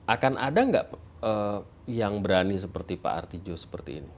akan ada nggak yang berani seperti pak artijo seperti ini